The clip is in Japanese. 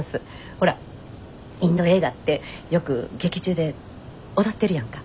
ほらインド映画ってよく劇中で踊ってるやんか。